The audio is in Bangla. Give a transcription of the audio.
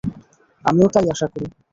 আমিও তাই আশা করি!